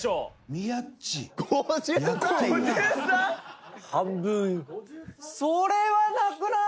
宮田：それはなくない？